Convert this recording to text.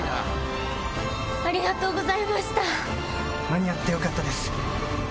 間に合ってよかったです。